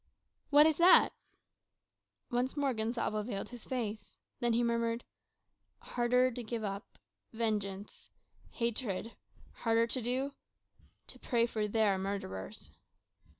"What is that?" Once more Gonsalvo veiled his face. Then he murmured "Harder to give up vengeance, hatred; harder to do to pray for their murderers."